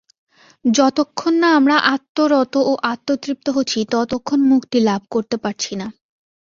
যতক্ষণ না আমরা আত্মরত ও আত্মতৃপ্ত হচ্ছি, ততক্ষণ মুক্তিলাভ করতে পারছি না।